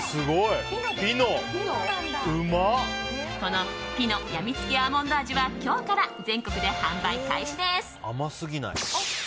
このピノやみつきアーモンド味は今日から全国で販売開始です。